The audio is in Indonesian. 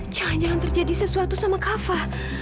jangan jangan terjadi sesuatu sama kafa